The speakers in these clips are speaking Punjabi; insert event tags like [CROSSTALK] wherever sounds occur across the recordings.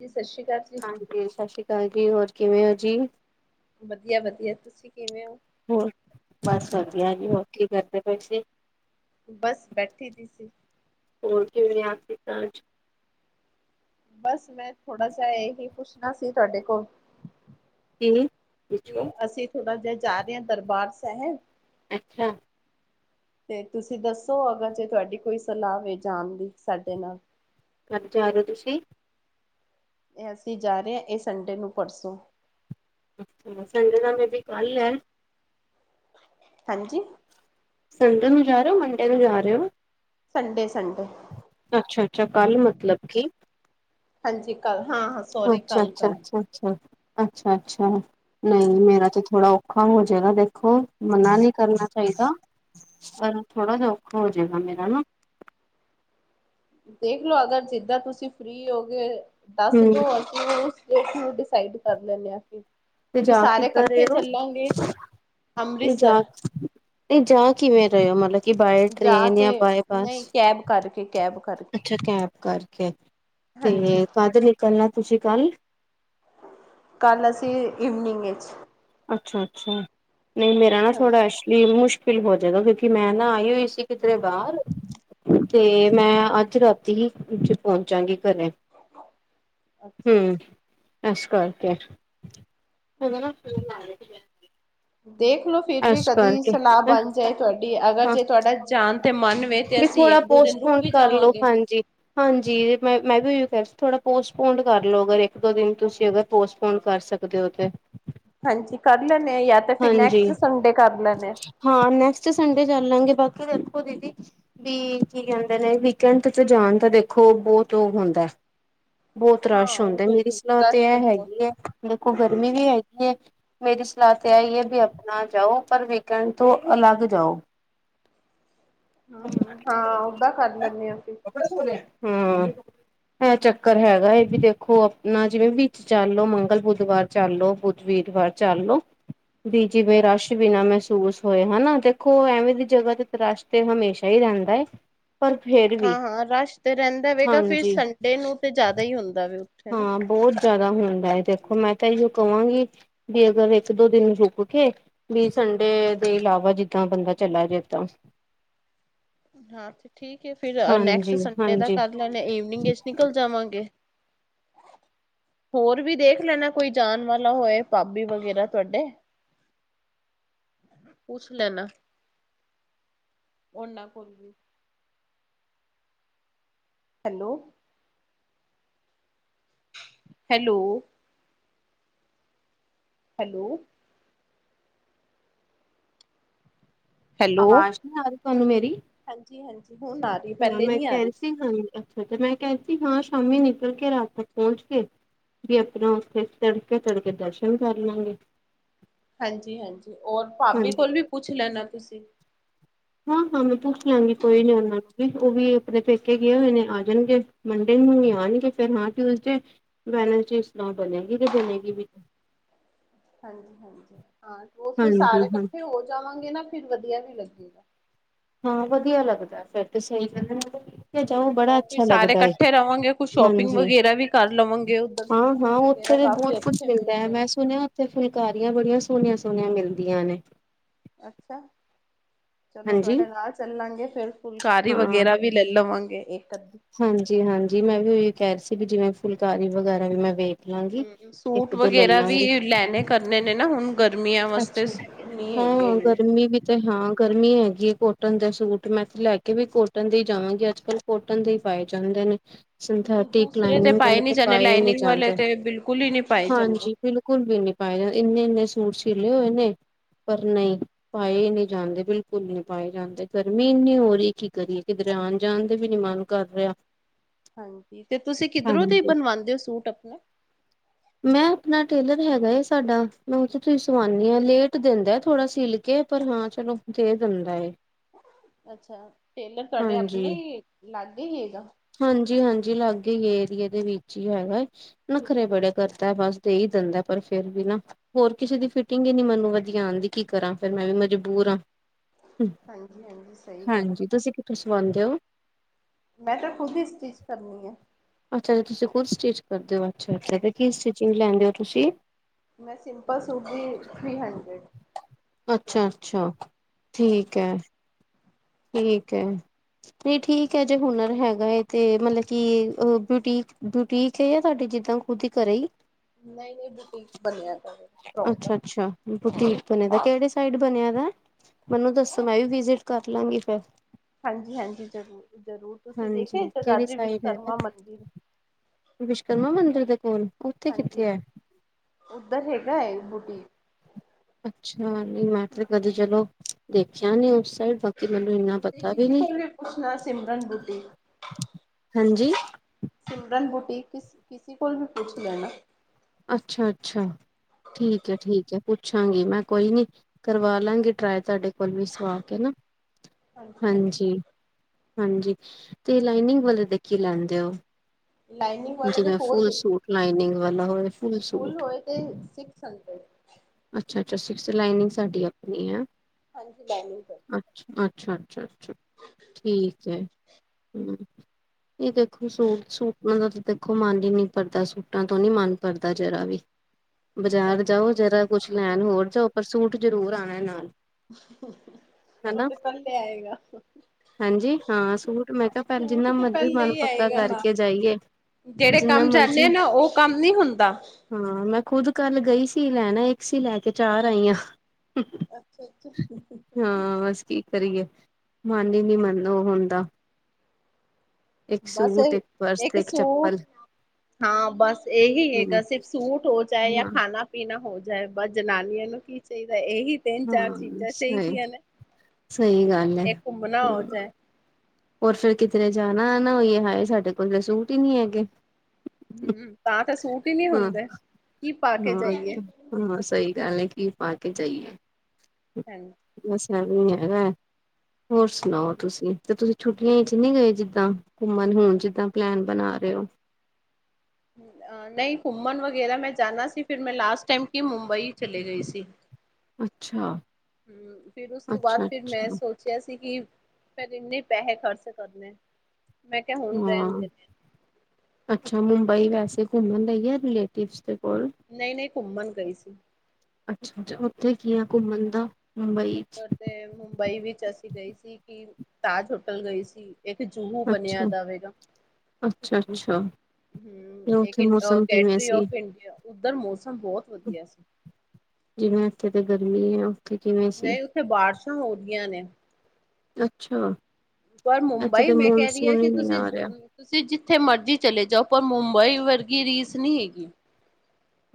ਜੀ ਸਸਿ ਸੀਕਾਲ ਹਾਂਜੀ ਸਸਿ ਸੀਕਾਲ ਜੀ ਹੋਰ ਕਿਵੇਂ ਔ ਜੀ। ਵਧੀਆ ਵਧੀਆ ਤੁਸੀਂ ਕਿਵੇਂ ਔ ਹੋਰ, ਬਸ ਵਧੀਆ ਜੀ ਹੋਰ ਕੀ ਕਰਦੇ ਪੈ ਸੀ। ਬਸ ਬੈਠੀ ਦੀ ਸੀ। ਹੋਰ ਕਿਵੇਂ ਯਾਦ ਕੀਤਾ ਅੱਜ ਬਸ ਮੈਂ ਥੋੜਾ ਜਿਹਾ ਇਹੀ ਪੁੱਛਣਾ ਸੀ ਤੁਹਾਡੇ ਕੋਲ ਕੀ ਤੇ ਪੁੱਛੋ ਅਸੀਂ ਥੋੜਾ ਜਿਹਾ ਜਾ ਰਹੇ ਆ ਦਰਬਾਰ ਸਾਹਿਬ ਅੱਛਾ ਤੇ ਤੁਸੀਂ ਦੱਸੋ ਅਗਰ ਜੇ ਤੁਹਾਡੀ ਕੋਈ ਸਲਾਹ ਵਵੇ ਜਾਣ ਦੀ ਸਾਡੇ ਨਾਲ ਕਦ ਜਾ ਰਹੇ ਤੁਸੀਂ ਇਹ ਅਸੀਂ ਜਾ ਰਹੇ ਹਾਂ ਇਹ ਸੰਡੇ ਨੂੰ ਪਰਸੋਂ ਅੱਛਾ ਸੰਡੇ ਦਾ ਮੇਰੀ ਕੱਲ੍ਹ ਐ। ਹਾਂਜੀ ਸੰਡੇ ਨੂੰ ਜਾ ਰਹੇ ਔ ਮੰਡੇ ਨੂੰ ਜਾ ਰਹੇ ਔ। ਸੰਡੇ -ਸੰਡੇ ਅੱਛਾ ਅੱਛਾ ਕੱਲ ਮਤਲਬ ਕੀ ਹਾਂਜੀ ਕੱਲ, ਹਾਂ -ਹਾਂ ਸੋਰੀ ਅੱਛਾ ਕੱਲ ਅੱਛਾ ਕੱਲ ਅੱ ਅੱਛ ਅੱਛਾ ਅੱਛਾ, ਹਮ ਨਹੀਂ ਹਮ ਮੇਰਾ ਤੇ ਥੋੜਾ ਔਖਾ ਹੋ ਜਾਏਗਾ ਦੇਖੋ, ਮਨਾ ਨਈ ਕਰਨਾ ਚਾਹੀਦਾ। ਪਰ ਥੋੜਾ ਜਿਆ ਔਖਾ ਹੋ ਜਾਏਗਾ ਮੇਰਾ ਨਾ ਦੇਖਲੋ ਅਗਰ ਜਿੱਦਾਂ ਤੁਸੀਂ ਫ੍ਰਰੀ ਹੋਗੇਏ, ਦੱਸ ਹਮ ਦੋ ਅ ਉਸ ਡੇ ਨੂੰ ਡਿਸਾਈਡ ਕਰ ਲੈਂਦੇ ਅਸੀ ਤੇ ਜਾ ਕਿੱਦਾਂ ਰਹੇ ਔ, ਤੇ ਜਾ ਅੰਮ੍ਰਿਤਸਰ ਨਈ ਜਾ ਕਿਵੇਂ ਰਏ ਓ ਮਤਲਬ ਕਿ ਬਾਏ ਜਾ ਟ੍ਰੇਨ ਕੇ ਜਾਂ ਬਾਏਬਸ ਨਹੀਂ ਕੈਬ ਕਰਕੇ ਕੈਬ ਕਰਕੇ ਅੱਛਾ ਕੈਬ ਕਰਕੇ। ਹਾਂਜੀ ਤੇ ਕਦ ਨਿਕਲਨੇ ਤੁਸੀਂ ਕੱਲ। ਕੱਲ ਅਸੀਂ ਇਵਨਿੰਗ ਵਿੱਚ। ਅੱਛਾ ਅੱਛਾ ਨਹੀਂ ਮੇਰਾ ਨਾ ਹਾਂਜੀ ਥੋੜਾ ਵੀ ਮੁਸ਼ਕਿਲ ਹੋ ਜੈ ਗਾ ਕਿਉਂਕਿ ਮੈਂ ਨਾ ਆਈ ਹੋਈ ਸੀ ਕਿਧਰੇ ਬਾਰ ਤੇ ਮੈਂ ਅੱਜ ਰਾਤੀ ਹੀ ਪਹੁੰਚਾਂਗੀ ਘਰੇ। ਹ। ਹਮ ਏਸ਼ ਕਰ ਕੇ। ਦੇਖ ਲੋ। ਫਿਰ ਵੀ ਕਦੀ ਸਲਾਹ ਬਣ ਜਾਏ ਤੁਹਾਡੀ ਅਗਰ ਹਾਂ ਜੇ ਤੁਹਾਡਾ ਜਾਨ ਤੇ ਮਨ ਵੇ ਤੇ ਅਸੀਂ ਥੋੜਾ ਇੱਕ ਦੋ ਦਿਨ ਰੁਕ ਪੋਸਟਪੋਨ ਵੀ ਕਰ ਲੋੋ ਜਾਵਾਂਗੇ ਹਾਂਜੀ। ਹਾਂਜੀ ਮੈਂ ਮੈਂ ਵੀ ਉਹੀ ਕੇਅ ਰਈ ਸੀ ਥੋੜ੍ਹਾ ਪੋਸਟਪੋਡ ਕਰ ਲੋ ਅਗਰ ਇੱਕ ਦੋ ਦਿਨ ਤੁਸੀਂ ਅਗਰ ਪੋਸਟਪੋਡ ਕਰ ਸਕੋ ਸਕਦੇ ਓ ਤੇ। ਹਾਂਜੀ ਕਰ ਲੈਣੇ ਆ ਜਾਂ ਤਾਂ ਫਿਰ ਹਾਂਜੀ ਨੈਕਸਟ ਸੰਡੇ ਕਰ ਲੈਣੇ ਆ। ਹਾਂ, ਨੈਕਸਟ ਸੰਡੇ ਕਰ ਲਾਂਗੇ ਬਾਕੀ ਦੇਖੋ ਦੀਦੀ ਬੀ ਕੀ ਕੈਂਦੇ ਨੇ ਵੀਕਐਂਡ ਚ ਜਾਣ ਤਾਂ ਦੇਖੋ ਬੋਤ ੳ ਹੁੰਦਾ ਬੋਤ ਹਾਂ ਰਸ਼ ਉਹ ਹੁੰਦਾ ਤੇ ਮੇਰੀ ਠੀਕ ਸਲਾਅ ਤੇ ਰਸ਼ ਐ ਤਾਂ ਬਹੁਤ ਹੈਗੀ ਐ ਦੇਖੋ ਗਰਮੀ ਵੀ ਹੈਗੀ ਐ, ਮੇਰੀ ਸਲਾਅ ਤੇ ਐਈ ਐ ਬੀ ਆਪਣਾ ਜਾਓ ਪਰ ਵੀਕੈਂਡ ਤੋਂ ਅਲੱਗ ਜਾਓ। [UNINTELLIGIBLE] ਹਾਂ ਓਦਾਂ ਕਰ ਲੈਂਣੇ ਆ ਉਦਾ ਕਰ ਲੈਨੇਆ ਫਿਰ ਕੱਪੜੇ ਧੋਨਇਆ ਹੂੰ ਐਂ ਚੱਕਰ ਹੈਗਾ ਏ ਬੀ ਦੇਖੋ ਅਪਣਾ ਜਿਵੇਂ, ਵਿੱਚ ਚੱਲ ਲਓ ਮੰਗਲ-ਬੁੱਧਵਾਰ ਚਲ ਲੋ ਬੁੱਧ-ਵੀਰਵਾਰ ਚੱਲ ਲੋ ਵੀ ਜਿਵੇਂ ਰਾਸ਼ ਵੀ ਨਾ ਮਹਿਸੂਸ ਹੋਏ ਹੈਨਾ, ਦੇਖੋ ਐਵੇਂ ਦੀ ਜਗ੍ਹਾ ਤੇ ਰਾਸ਼ ਤੇ ਹਮੇਸ਼ਾ ਈ ਰੈਂਦਾ ਏ। ਪਰ ਫੇਰ ਹਾਂ-ਹਾਂ, ਰਾਸ਼ ਤੇ ਰੈਂਦਾ ਵੇਗਾ ਫਿਰ ਹਾਂਜੀ ਸੰਡੇ ਨੂੰ ਤੇ ਜੇਦਾ ਈ ਹੁੰਦਾ ਵੇ ਓੱਥੇ ਹੈਨਾ। ਜਾਦਾ ਹੁੰਦਾ ਐ ਦੇਖੋ ਮੈਂ ਤਾਂ ਏਹੀਓ ਕਵਾਂਗੀ, ਬੀ ਅਗਰ ਇੱਕ-ਦੋ ਦਿਨ ਰੁੱਕ ਕੇ, ਬੀ ਸੰਡੇ ਦੇ ਏਲਾਵਾ ਜਿੱਦਾਂ ਬੰਦਾ ਚਲਾ ਜੈ ਤਾਂ। ਹਾਂ ਠੀਕ ਏ ਫਿਰ ਅ, ਨੈਕਸਟ ਹਾਂਜੀ ਸੰਡੇ ਦਾ ਹਾਂਜੀ ਕਰ ਲੈਣੇ ਆ ਇਵਨਿੰਗ ਚ ਨਿਕਲ ਜਾਵਾਂਗੇ ਹੋਰ ਵੀ ਦੇਖ ਲੈਣਾ ਕੋਈ ਜਾਣ ਵਾਲਾ ਹੋਏ ਭਾਬੀ ਵਗੈਰਾ ਤੁਆਡੇ ਪੁੱਛ ਲੈਣਾ, ਓਨਾਂ ਕੋਲ ਵੀ। ਹੈਲੋ। ਹੈਲੋ? ਹੈਲੋ? ਹੈਲੋ ਆਵਾਜ ਨੀ ਆ ਰੀ ਤੋਨੂੰ ਮੇਰੀ? ਹਾਂਜੀ ਹਾਂਜੀ ਹੁਣ ਆ ਰਹੀ ਹੂੰ ਪਹਿਲੇ ਮੈਂ ਨਹੀਂ ਆ ਕੈ ਰਹੀ ਰੀ ਸੀ ਹਾਂ ਅੱਛਾ ਅੱਛਾ, ਮੈਂ ਕੈਰੀ ਸੀ ਹਾਂ ਸ਼ਾਮੀ ਨਿਕਲ ਕੇ ਰਾਤ ਤੱਕ ਪੋਂਚ ਕੇ ਬੀ ਅਪਣਾ ਓੱਥੇ ਤੜਕੇ-ਤੜਕੇ ਦਰਸ਼ਨ ਕਾਰਲਾਂਗੇ। ਹਾਂਜੀ-ਹਾਂਜੀ, ਔਰ ਭਾਬੀ ਹਾਂਜੀ ਕੋਲ ਵੀ ਪੁੱਛ ਲੈਣਾ ਤੁਸੀਂ। ਹਾਂ-ਹਾਂ, ਮੈਂ ਪੁੱਛ ਲਾਂਗੀ ਕੋਈ ਨੀ ਓਨਾਂ ਨੂੰ ਵੀ ਓਵੀ ਆਪਣੇ ਪੇਕੇ ਗਏ ਹੋਏ ਨੇ ਆ ਜਾਣਗੇ ਮੰਡੇ ਨੂੰ ਨੀ ਆਣਗੇ ਫੇਰ ਹਾਂ ਟਿਊਸਡੇ, ਵੈਨਸਡੇ ਸਲਾਅ ਬਣੇਗੀ ਜੈ ਬਣੇਗੀ ਵੀ ਹਾਂਜੀ-ਹਾਂਜੀ, ਹਾਂ ਉਥੇ ਹਾਂਜੀ ਸਾਰੇ ਹਾਂ ਕੱਠੇ ਹੋ ਜਾਵਾਂਗੇ ਨਾ ਫਿਰ ਵਦੀਆ ਵੀ ਲੱਗੂ। ਹਾਂ, ਵਦੀਆ ਲੱਗਦਾ, ਫੇਰ ਤੇ ਸਈ ਕੈਂਦੇ ਨੇ ਓੱਥੇ ਜਾਓ ਹਮ ਬੜਾ ਉਹ ਫਿਰ ਅੱਛਾ ਸਾਰੇ ਲੱਗਦਾ ਏ, ਇਕੱਠੇ ਰਵਾਂਗੇ ਕੁਛ ਸ਼ੋਪਿੰਗ ਹਾਂਜੀ। ਵਗੈਰਾ ਵੀ ਕਰ ਲਵਾਂਗੇ ਉੱਧਰ ਸੂਟ ਹਾਂ-ਹਾਂ, ਵਗੈਰਾ ਓੱਥੇ ਤੇ ਕਾਫੀ ਬੋਤ ਕੁੱਛ ਅੱਛੇ ਮਿਲਦਾ ਐ ਮਿਲਦੇ ਨੇ ਮੈਂ ਸੁਨੇਆ ਓੱਥੇ ਫੁਲਕਾਰੀਆਂ ਬੜੀਆਂ ਸੋਣੀਆਂ-ਸੋਣੀਆਂ ਮਿਲਦੀਆਂ ਨੇ। ਅੱਛਾ, ਚਲੋ ਹਾਂਜੀ ਤੁਆਡੇ ਨਾਲ ਚੱਲਾਂਗੇ ਫੇਰ ਫੁਲਕਾਰੀ ਵਗੈਰਾ ਵੀ ਲੈਲ ਲਵਾਂਗੇ ਏੱਕ ਅੱਧੀ ਹਾਂਜੀ-ਹਾਂਜੀ, ਮੈਂ ਵੀ ਓਈਓ ਕੈ ਰੀ ਸੀ ਵੀ ਜਿਵੇਂ ਫੁਲਕਾਰੀ ਵਗੈਰਾ ਵੀ ਮੈਂ ਵੇਖ ਲਾਂਗੀ ਹੂੰ ਇੱਕ ਸੂਟ ਦੋ ਲੈ ਵਗੈਰਾ ਵੀ ਲਾਂਗੀ ਏ ਲੈਣੇ ਕਰਨੇ ਨੇ ਨਾ ਹੁਣ ਗਰਮੀਆਂ ਵਾਸਤੇ ਅੱਛਾ, ਨਹੀਂ ਹੈਗੇ ਹੋਰ ਇੰਨੇ ਗਰਮੀ ਵੀ ਤੇ ਹਾਂ ਗਰਮੀ ਹੈਗੀ ਏ ਕੋਟਨ ਦਾ ਸੂਟ ਮੈਂ ਤੇ ਲੈ ਕੇ ਵੀ ਕੋਟਨ ਦੇ ਈ ਜਾਵਾਂਗੀ ਅੱਜ-ਕੱਲ੍ਹ ਕੋਟਨ ਦੇ ਈ ਪਾਏ ਜਾਂਦੇ ਨੇ ਸਿਨਥੈਟਿਕ ਦੂਸਰੇ ਲਾਈਨਿੰਗ ਪਾਏ ਵਾਲੇ ਨੀ ਤੇ ਜਾਂਦੇ ਪਾਏ ਨੀ ਲਾਈਨਿੰਗ ਵਾਲੇ ਜਾਂਦੇ, ਤੇ ਬਿਲਕੁਲ ਹੀ ਨਹੀਂ ਪਾਏ ਜਾਂਦੇ ਹਾਂਜੀ ਬਿਲਕੁਲ ਵੀ ਨੀ ਪਾਏ ਏਂਨੇ-ਏਂਨੇ ਸੂਟ ਸੀਲੇ ਹੋਏ ਨੇ, ਪਰ ਨਈ ਪਾਏ ਈ ਨੀ ਜਾਂਦੇ ਬਿਲਕੁਲ ਈ ਨੀ ਪਾਏ ਜਾਂਦੇ ਗਰਮੀ ਇੰਨੀ ਹੋ ਰੀ ਕੀ ਕਰੀਏ ਕਿਦਰੇ ਆਣ-ਜਾਣ ਦੇ ਵੀ ਨੀ ਮੰਨ ਕਾਰ ਰੇਆ ਹਾਂਜੀ, ਤੇ ਤੁਸੀਂ ਕਿੱਦਰੋਂ ਦੀ ਹਾਂਜੀ। ਬਣਵਾਂਦੇ ੳ ਸੂਟ ਆਪਣੇ? ਮੈਂ ਅਪਣਾ ਟੇਲਰ ਹੈਗਾ ਏ ਸਾਡਾ, ਮੈ ਉਥੋਂ ਈ ਸਵਾਣੀ ਆ, ਲੇਟ ਦੇਂਦਾ ਥੋੜਾ ਸਿਲ ਕੇ ਪਰ ਹਾਂ ਚਲੋ ਦੇ ਦਿੰਦਾ ਏ। ਅੱਛਾ, ਟੇਲਰ ਤੁਆਡੇ ਹਾਂਜੀ। ਆਪਣੇ ਈ, ਲਾਗੇ ਈ ਹੇਗਾ? ਹਾਂਜੀ-ਹਾਂਜੀ, ਲਾਗੇ ਈ ਏਰੀਏ ਦੇ ਵਿੱਚ ਹੀ ਹੈਗਾ ਨੱਖਰੇ ਬੜੇ ਕਰਦਾ ਬਸ ਦੇਈ ਦਿੰਦਾ ਪਰ ਫੇਰ ਵੀ ਨਾ ਹੋਰ ਕਿਸੇ ਦੀ ਫਿਟਿੰਗ ਈ ਨੀ ਮੈਨੂੰ ਵੱਧੀਆ ਆਂਦੀ ਕੀ ਕਰਾਂ ਫੇਰ ਮੈਂ ਵੀ ਮਜਬੂਰ ਆ। ਹਾਂਜੀ-ਹਾਂਜੀ, ਸਈ ਗੱਲ ਆ। ਹਾਂਜੀ ਤੁਸੀਂ ਸੁਆਂਦੇ ਓ? ਮੈਂ ਤਾਂ ਖੁਦ ਹੀ ਸਟਿਚ ਕਰਨੀ ਆ। ਅੱਛਾ, ਅੱਛਾ ਤੁਸੀਂ ਖੁਦ ਸਟਿਚ ਕਰਦੇ ਓ, ਅੱਛਾ-ਅੱਛਾ ਤੇ ਹਾਂਜੀ ਕੀ ਸਟਿਚਿੰਗ ਲੈਂਦੇ ਓ ਤੁਸੀਂ? ਮੈਂ ਸਿੰਮਪਲ ਸੂਟ ਦੀ, ਥ੍ਰਰੀ ਹੰਡਰੇਡ। ਅੱਛਾ-ਅੱਛਾ, ਹਾਂਜੀ ਠੀਕ ਐ- ਠੀਕ ਐ। ਨਈ ਠੀਕ ਐ ਜੇ ਹੁਨਰ ਹੈਗਾ ਏ ਤੇ ਮਤਲਬ ਕਿ ਬੂਟੀਕ, ਬੂਟੀਕ ਹੈ ਤੁਆਡੇ ਜਿੱਦਾਂ? ਓਧਰ ਘਰੇ ਈ? ਨਈ-ਨਈ ਬੂਟੀਕ ਬਣੇਆ ਦਾ ਵੇ। ਅੱਛਾ-ਅੱਛਾ ਬੂਟੀਕ ਬਣੇਆ ਦਾ, ਕੇੜੇ ਸਾਈਡ ਬਣੇਆ ਵਾ? ਮੈਨੂੰ ਦੱਸੋ ਮੈਂ ਵੀ ਵਿਜੇਟ ਕਰ ਲਾਂਗੀ ਫੇਰ। ਹਾਂਜੀ-ਹਾਂਜੀ ਜ਼ਰੂਰ-ਜ਼ਰੂਰ ਤੁਸੀਂ ਦੇਖੇਆ ਏ ਹਾਂਜੀ ਕਿਹੜੀ ਜਗਾਦਰੀ ਸਾਈਡ ਹੈਗਾ ਵਿਸ਼ਵਕਰਮਾ ਮੰਦਿਰ? ਵਿਸ਼ਵਕਰਮਾ ਮੰਦਿਰ ਦੇ ਕੋਲ ਉੱਥੇ ਕਿੱਥੇ ਹਾਂਜੀ, ਹੈ ਓਧਰ ਹੈਗਾ ਏ ਬੂਟੀਕ। ਅੱਛਾ, ਨਈ ਮੈਂ ਤੇ ਕਦੀ ਚਲੋ ਦੇਖੇਆ ਨੀ ਉਸ ਸਾਈਡ। ਬਾਕੀ ਮੈਨੂੰ ਏਂਨਾ ਤੁਸੀਂ ਪਤਾ ਵੀ ਕਿਸੇ ਨੀ, ਕੋਲ ਪੁੱਛਣਾ ਸਿਮਰਨ ਬੁਟੀਕ ਹਾਂਜੀ? ਸਿਮਰਨ ਬੁਟੀਕ ਕਿਸ ਕਿਸੀ ਕੋਲ ਵੀ ਪੁੱਛ ਲੈਣਾ। ਅੱਛਾ-ਅੱਛਾ। ਠੀਕ ਐ-ਠੀਕ ਐ ਪੁੱਛਾਂਗੀ ਮੈਂ ਕੋਈ ਨੀ ਕਰਵਾ ਲਾਂਗੀ ਟਰਾਏ ਤੁਆਡੇ ਕੋਲ ਵੀ। ਸਵਾ ਕੇ ਨਾ, ਹਾਂਜੀ। ਹਾਂਜੀ, ਤੇ ਲਾਈਨਿੰਗ ਵਾਲੇ ਦੇ ਕੀ ਲੈਂਦੇ ਓ? ਲਾਈਨਿੰਗ ਵਾਲੇ ਜਿਵੇਂ ਫੂੱਲ ਸੂਟ ਲਾਈਨਿੰਗ ਵਾਲਾ ਹੋਏ? ਫੂੱਲ ਹੋਏ ਤੇ ਸਿਕਸ ਹੰਡਰਡ। ਅੱਛਾ, ਅੱਛਾ ਸਿਕਸ ਲਾਈਨਿੰਗ ਸਾਡੀ ਅਪਨੀ ਐ। ਹਾਂਜੀ ਲਾਈਨਿੰਗ ਤੁਆਡੀ। ਅੱਛਾ, ਅੱਛਾ, ਅੱਛਾ, ਅੱਛਾ ਠੀਕ ਐ। ਏ ਦੇਖੋ ਸੂਟ ਸੂਟਾਂ ਦਾ ਦੇਖੋ ਮਨ ਈ ਨੀ ਭਰਦਾ। ਸੂਟਾਂ ਤੋਂ ਨੀ ਮਨ ਭਰਦਾ ਜਰਾ ਵੀ, ਬਜ਼ਾਰ ਸਹੀ ਜਾਓ ਜਰਾ ਕੁਛ ਲੈਣ ਗੱਲ ਹੋਰ ਜਾਓ ਪਰ ਸੂਟ ਜਰੂਰ ਆਣਾ ਐ ਨਾਲ। ਓ ਹਨਾ ਤੇ ਪੈਲੇ ਆਏਗਾ। ਹਾਂਜੀ, ਹਾਂ ਸੂਟ ਮੈਂ ਕੈ ਪੈ ਸੂਟ ਜਿੰਨਾ ਤੇ ਮਰਜ਼ੀ ਮਨ ਪੱਕਾ ਕਰਕੇ ਜਾਈਏ ਜੇੜੇ ਜਿੰਨਾ ਕੰਮ ਜਾਂਨੇ ਮਰਜ਼ੀ ਆ ਨਾ ਓ ਕੰਮ ਨੀ ਹੁੰਦਾ। ਹਾਂ ਮੈਂ ਖੁਦ ਕੱਲ ਗਈ ਸੀ ਲੈਣਾ ਏਕ ਸੀ ਲੈ ਕੇ ਚਾਰ ਆਈਆਂ। ਅੱਛਾ ਅੱਛਾ ਹਾਂ ਬਸ ਕੀ ਕਰੀਏ ਮਨ ਈ ਨੀ ਮਨ ਓ ਹੁੰਦਾ। ਇੱਕ ਬਸ ਸੂਟ ਏਈ ਇੱਕ ਪਰਸ ਤੇ ਏਕ ਇੱਕ ਸੂਟ ਚੱਪਲ ਹਾਂ ਬਸ ਏਹੀ ਹਮ ਹੈਗਾ, ਸਿਰਫ ਸੂਟ ਹੋ ਜਾਏ ਯਾ ਹਾਂ ਖਾਨਾ ਪੀਨਾ ਹੋ ਜਾਏ ਬਸ ਜਨਾਨੀਆਂ ਨੂੰ ਕੀ ਚਾਈਦਾ ਏਹੀ ਤਿੰਨ ਚਾਰ ਹਾਂ ਚੀਜਾਂ ਸਹੀ ਚਈਦੀਆਂ ਨੇ। ਸਹੀ ਗੱਲ ਹੈ ਏਕ ਘੁੰਮਨਾ ਹੋ ਹਮ ਜਾਏ। ਹੋਰ ਫੇਰ ਕਿਧਰੇ ਜਾਣਾ ਆਨਾ ਹੋਈਏ ਹਾਏ ਸਾਡੇ ਕੋਲ ਤੇ ਸੂਟ ਈ ਨੀ ਹੈਗੇ। ਹੂੰ, ਤਾਂ ਤੇ ਸੂਟ ਈ ਨੀ ਹਾਂ ਹੁੰਦੇ, ਕੀ ਪਾ ਕੇ ਹਾਂ ਜਾਈਏ? ਹਾਂ ਸਈ ਗੱਲ ਏ, ਕਿ ਪਾ ਕੇ ਜਾਈਏ? ਹਾਂਜੀ। ਬਸ ਏਵੇ ਈਂ ਹੈਗਾ ਐ। ਹੋਰ ਸੁਨਾਓ ਤੁਸੀਂ? ਤੇ ਤੁਸੀਂ ਛੁੱਟੀਆਂ ਚ ਨੀ ਗਏ ਜਿੱਦਾਂ ਘੁੰਮਣ ਹੋਨ ਜਿੱਦਾਂ ਪਲੈਨ ਬਣਾ ਰੇ ਓ। ਆ ਨਈ ਘੁੰਮਣ ਵਗੈਰਾ ਮੈਂ ਜਾਨਾ ਸੀ, ਫਿਰ ਮੈਂ ਲਾਸਟ ਟਾਈਮ ਕਿ ਮੁੰਬਈ ਚਲੇ ਗਈ ਸੀ। ਅੱਛਾ ਹੂੰ, ਫਿਰ ਉਸ ਤੋਂ ਬਾਦ ਅੱਛਾ ਫਿਰ ਮੈਂ ਅੱਛਾ ਸੋਚ ਚੈਆ ਸੀ ਕਿ ਫੇਰ ਇੰਨੇ ਪੈਹੇ ਖਰਚ ਕਰਨੇ। ਮੈਂ ਕਿਹਾ ਹੁਣ ਹਾਂ, ਰਹਿਣ ਦੇਣੇ ਅੱਛਾ ਮੁੰਬਈ ਵੈਸੇ ਘੁੰਮਣ ਲਈ ਯਾ ਰਿਲੇਟਿਵਸ ਦੇ ਕੋਲ? ਨਈ ਨਈ ਘੁੰਮਣ ਗਈ ਸੀ। ਅੱਛਾ ਅੱਛਾ, ਓਥੇ ਕੀ ਐ ਘੁੰਮਣ ਦਾ ਮੁੰਬਈ ਚ। ਉੱਪਰ ਤੇ ਮੁੰਬਈ ਵਿੱਚ ਅਸੀ ਗਏ ਸੀ ਕਿ ਤਾਜ ਹੋਟਲ ਗਏ ਸੀ। ਏੱਥੇ ਜੂਹੂ ਬਨੇਆ ਅੱਛਾ ਦਾ ਵੇਗਾ। ਅੱਛਾ ਅੱਛਾ ਹੂੰ, ਤੇ ਏਕ ਉੱਥੇ ਇਨ ਅ ਮੌਸਮ ਕਿਵੇਂ ਗੈਟਰੀ ਸੀ ਔਫ ਇੰਡੀਆ। ਉੱਧਰ ਮੌਸਮ ਬੌਤ ਵਧੀਆ ਸੀ। ਜਿਵੇਂ ਐਥੇ ਤੇ ਗਰਮੀ ਏ, ਓਥੇ ਕਿਵੇਂ ਸੀ? ਓਥੇ ਬਾਰਸ਼ਾਂ ਹੋਰੀਆਂ ਨੇ। ਅੱਛਾ ਪਰ ਇੱਥੇ ਮੁੰਬਈ ਤੇ ਮੈਂ ਕੈ ਰੀ ਆਂ ਮੌਨਸੂਨ ਕਿ ਹੀ ਨਹੀਂ ਤੁਸੀਂ ਆ ਰਿਹਾ ਤੁਸੀਂ ਜਿੱਥੇ ਮਰਜ਼ੀ ਚਲੇ ਜਾਓ ਪਰ ਮੁੰਬਈ ਵਰਗੀ ਰੀਸ ਨੀ ਹੇਗੀ।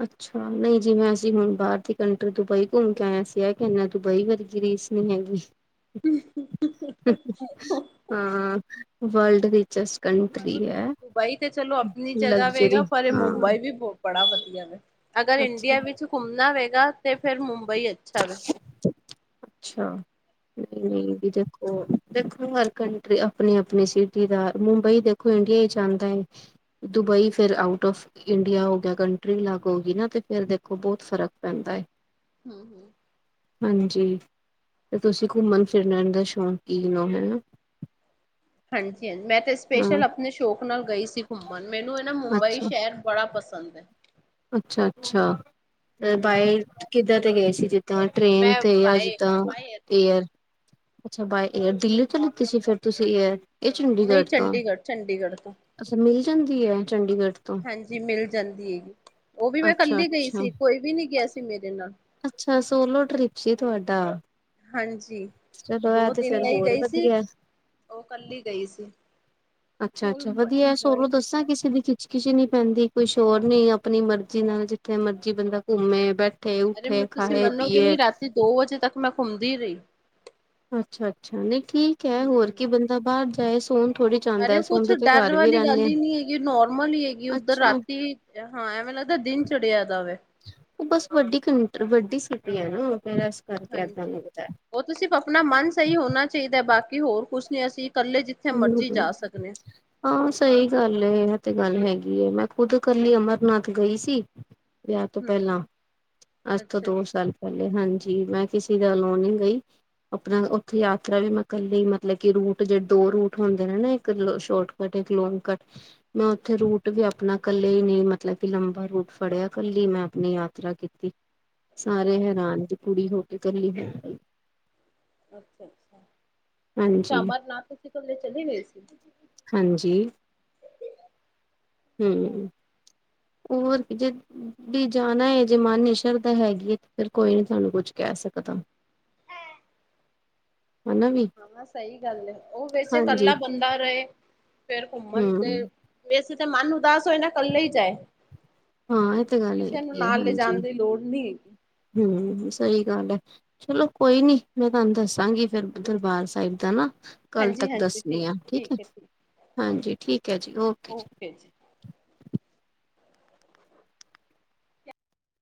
ਅੱਛਾ, ਨਈ ਜਿਵੇਂ ਅਸੀਂ ਹੁਣ ਬਾਰ ਦੀ ਕੰਟਰੀ ਦੁਬਈ ਘੁੰਮ ਕੇ ਆਏ ਆਂ, ਅਸੀ ਐ ਕੈਨੇ ਆਂ ਕਿ ਨਾ ਦੁਬਈ ਵਰਗੀ ਰੀਸ ਨੀ ਹੈਗੀ। ਹਾਂ, ਵਰਲਡ ਰਿਚਸ ਦੁਬਈ ਤੇ ਚਲੋ ਅਪਨੀ ਜਗਾ ਵੇ ਲਗਜ਼ਰੀ ਗਾ, ਪਰ ਹਾਂ ਮੁੰਬਈ ਵੀ ਬੌ ਬੜਾ ਵਧੀਆ ਵੇ, ਅਗਰ ਅੱਛਾ ਇੰਡੀਆ ਵਿੱਚ ਘੁੰਮਣਾ ਵੇਗਾ ਤੇ ਫੇਰ ਮੁੰਬ ਅੱਛਾ, ਨਈ ਹੂੰ, ਨਈ ਵੀਜ ਦੇਖੋ ਹਰ ਕੰਟਰੀ ਅਪਨੀ ਅਪਨੀ ਸਿਟੀ ਦਾ ਮੁੰਬਈ ਦੇਖੋ ਇੰਡੀਆ ਚ ਆੰਦਾ ਏ। ਦੁਬਈ ਫੇਰ ਆਊਟ ਔਫ ਇੰਡੀਆ ਹੋ ਗਿਆ ਕੰਟਰੀ ਲੱਗ ਹੋ ਗੀ ਨਾ ਤੇ ਫੇਰ ਦੇਖੋ ਬੌਤ ਫ਼ਰਕ ਪੈਂਦਾ ਏ। ਹੂੰ, ਹੂੰ। ਹਾਂਜੀ ਤੇ ਤੁਸੀਂ ਘੁੰਮਣ ਫਿਰਨ ਦਾ ਸ਼ੌਂਕੀਨੋ ਹੈਨਾ? ਹਾਂਜੀ ਹਂ ਮੈਂ ਤੇ ਹਾਂ ਸਪੇਸ਼ਲ ਅਪਣੇ ਸ਼ੌਕ ਨਾਲ ਗਈ ਸੀ ਘੁੰਮਣ, ਮੈਨੂੰ ਏ ਨਾ ਮੁੰਬਈ ਸ਼ੈਰ ਬੜਾ ਪਸੰਦ ਐ। ਅੱਛਾ-ਅੱਛਾ, ਅ ਬਾਏ ਹੂੰ। ਏਅਰ ਕਿੱਧਾ ਤੇ ਗਏ ਸੀ ਤਾਂ ਟ੍ਰੇਨ ਮੈਂ ਤੇ ਯਾਂ ਬਾਏ ਜਿੱਦਾ ਬਾਏ ਗਈ ਏਅਰ। ਸੀ। ਅੱਛਾ ਬਾਏ ਏਅਰ। ਦਿੱਲੀ ਤੋਂ ਲਿੱਤੀ ਸੀ ਫੇਰ ਤੁਸੀਂ ਏਅਰ? ਏ ਚੰਡੀਗੜ੍ਹ ਨਹੀਂ ਤੋਂ। ਚੰਡੀਗੜ੍ਹ, ਚੰਡੀਗੜ੍ਹ ਤੋਂ ਅੱਛਾ, ਮਿਲ ਜਾਂਦੀ ਐ ਚੰਡੀਗੜ੍ਹ ਤੋਂ? ਹਾਂਜੀ ਮਿਲ ਜਾਂਦੀ ਹੇਗੀ, ਓਹ ਵੀ ਮੈਂ ਅੱਛਾ ਕੱਲੀ ਗਈ ਅੱਛਾ ਸੀ ਕੋਈ ਵੀ ਨੀ ਗਿਆ ਸੀ ਮੇਰੇ ਨਾਲ। ਅੱਛਾ, ਸੋਲੋ ਟ੍ਰਿਪ ਸੀ ਤੁਆਡਾ। ਹਾਂਜੀ। ਚਲੋ ਐਹ ਤੇ ਫੇਰ ਹੋਰ ਵਧੀਐ। ਓ ਕੱਲੀ ਗਈ ਸੀ। ਅੱਛਾ ਫੁਲ ਅੱਛਾ, ਵਧੀਐ ਇੰਜੋਏ ਸੋਰੋਂ ਦੱਸਾਂ ਕੀਤਾ। ਕਿਸੇ ਦੀ ਖਿਛ-ਖਿਛ ਨੀ ਪੈਂਦੀ, ਕੋਈ ਸੋ਼ਰ ਨੀ ਅਪਣੀ ਮਰਜ਼ੀ ਨਾਲ ਜਿੱਥੇ ਮਰਜ਼ੀ ਬੰਦਾ ਘੁੰਮੇ ਬੈਠ ਤੇ ਉੱਠੇ, ਖਾਏ-ਪੀਏ। ਤੀ ਦੋ ਵਜੇ ਤੱਕ ਮੈਂ ਘੁੰਮਦੀ ਰਈ। ਅੱਛਾ-ਅੱਛਾ, ਨਹੀਂ ਠੀਕ ਐ ਹੋਰ ਹੂੰ ਕੀ ਬੰਦਾ ਬਾਰ ਜਾਏ ਸੋਣ ਥੋੜ੍ਹੀ ਅਰੇ ਔ ਜਾਂਦਾ ਕੁਛ ਸੋਣਦੇ ਤੇ ਡਰ ਘਰ ਵੀ ਵਾਲੀ ਗੱਲ ਰਹਿੰਦੇ ਈ ਆ ਨੀ ਹੈਗੀ, ਨੋਰਮਲ ਈ ਹੈਗੀ ਏ। ਉੱਧਰ ਅੱਛਾ ਰਾਤੀ ਹਾਂ, ਐਵੇਂ ਲਗਦੈ ਦਿਨ ਚੜੀਆ ਦਾਵੇ। ਉਹ ਬਸ ਵੱਡੀ ਕੰਟ੍ਰ ਵੱਡੀ ਸਿਟੀ ਐ ਨਾ ਫੇਰ ਐਸ ਹਾਂਜੀ, ਓ ਤੋ ਸਿਫ਼ ਅਪਣਾ ਮਨ ਸਹੀ ਹੋਣਾ ਚਾਈਦੈ ਬਾਕੀ ਹੋਰ ਕੁਛ ਨੀ ਅਸੀਂ ਕੱਲੇ ਹੂੰ, ਹੂੰ। ਹਾਂ, ਸਹੀ ਗੱਲ ਏ ਐ ਤੇ ਗੱਲ ਹੈਗੀ ਐਂ। ਮੈਂ ਖੁਦ ਕੱਲੀ ਅਮਰਨਾਥ ਗਈ ਸੀ। ਵਿਯਾ ਤੋਂ ਹੂੰ ਪੈਲਾਂ। ਹੂੰ ਅੱਜ ਤੋਂ ਅੱਛਾ ਦੋ ਅੱਛਾ ਸਾਲ ਪੈਲੇ ਹਾਂਜੀ ਮੈਂ ਕਿਸੀ ਦਾ ਲੋੋਂ ਨੀ ਗਈ। ਅਪਣਾ ਓਥੇ ਯਾਤਰਾ ਵੀ ਮੈਂ ਕੱਲੇ ਈ ਮਤਲਬ ਕਿ ਰੂਟ ਜੇ ਦੋ ਰੂਟ ਹੁੰਦੇ ਐ ਨਾ ਇੱਕ ਲ ਸ਼ੋਰਟ ਕੱਟ, ਇੱਕ ਲੋਂਗ ਕੱਟ। ਮੈਂ ਓਥੇ ਰੂਟ ਵੀ ਅਪਣਾ ਕੱਲੇ ਈ ਨੀ ਮਤਲਬ ਕਿ ਲੰਬਾ ਰੂਟ ਫੜਿਆ ਕੱਲੀ ਮੈਂ ਅਪਣੀਂ ਯਾਤਰਾ ਕੀਤ ਤੀ, ਸਾਰੇ ਹੈਰਾਨ ਦੀ ਕੁੜੀ ਹੋ ਕੇ ਕਲੀ ਹੋ ਆਈ। ਅੱਛਾ-ਅੱਛਾ, ਅੱਛਾ ਹਾਂਜੀ ਅਮਰਨਾਥ ਤੁਸੀਂ ਕੱਲੇ ਚਲੇ ਗਏ ਸੀ। ਹਾਂਜੀ, ਹੂੰ। ਹੋਰ ਕਿ ਜਦ ਵੀ ਜਾਨਾ ਏ ਜੇ ਮਨ ਚ ਸ਼ਰਦਾ ਹੈਗੀ ਐ ਤੇ ਫੇਰ ਕੋਈ ਨੀ ਸਾਆਨੂੰ ਕੁੱਛ ਕੈਅ ਸਕਦਾ। ਹਨਾ ਵੀ ਹਾਂ-ਹਾਂ, ਸਈ ਗੱਲ ਐ ਓ ਵੈਸੇ ਹਾਂਜੀ ਕੱਲਾ ਬੰਦਾ ਰਏ ਫੇਰ ਘੁੰਮਣ ਤੇ ਹਮ ਵੈਸੇ ਤੇ ਮਨ ਉਦਾਸ ਹੋਏ ਨਾ ਕੱਲਾ ਈ ਜਾਏ। ਹਾਂ ਇਹ ਤੇ ਗੱਲ ਕਿਸੇ ਨੂੰ ਹੈਗੀ ਨਾਲ ਲੇਜਾਣ ਦੀ ਲੋੜ ਨਈ ਹੈਗੀ। ਹੂੰ, ਸਈ ਗੱਲ ਐ। ਚਲੋ ਕੋਈ ਨੀ ਮੈਂ ਤੁਆਨੂੰ ਦੱਸਾਂਗੀ ਫੇਰ ਦਰਬਾਰ ਸਾਇਬ ਦਾ ਨਾ। ਕੱਲ ਤੱਕ ਦੱਸਨੀ ਆ ਠੀਕ ਐ, ਹਾਂਜੀ ਠੀਕ ਐ ਜੀ ਓਕੇ ਜੀ।